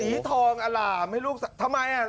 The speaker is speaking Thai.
สีทองอล่ามให้ลูกทำไมอ่ะ